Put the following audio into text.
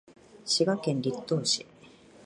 滋賀県栗東市